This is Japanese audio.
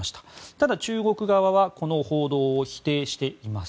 ただ、中国側はこの報道を否定しています。